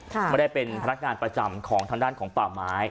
ไม่ได้เป็นพนักงานประจำของทางด้านของป่าไม้